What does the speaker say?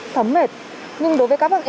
thấm mệt nhưng đối với các bác sĩ